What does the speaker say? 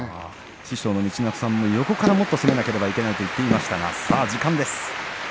師匠の陸奥さんも横からもっと攻めなければいけないと言っていましたが時間です。